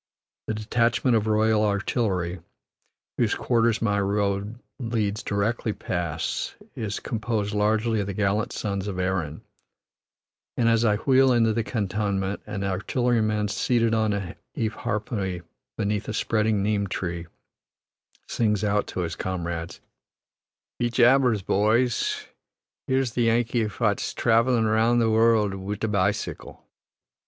The detachment of Royal Artillery, whose quarters my road leads directly past, is composed largely of the gallant sons of Erin, and as I wheel into the cantonment, an artilleryman seated on a eharpoy beneath a spreading neem tree, sings out to his comrades, "Be jabbers, bhoys; here's the Yankee phat's travellin' around the worruld wid a bicycle."